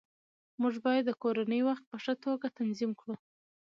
موږ باید د کورنۍ وخت په ښه توګه تنظیم کړو